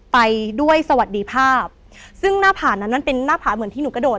ไปด้วยสวัสดีภาพซึ่งหน้าผานั้นมันเป็นหน้าผาเหมือนที่หนูกระโดด